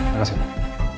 terima kasih pak